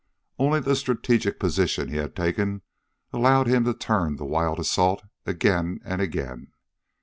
Only the strategic position he had taken allowed him to turn the wild assault again and again.